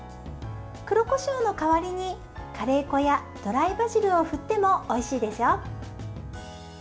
黒こしょうの代わりにカレー粉やドライバジルを振っても、おいしいですよ。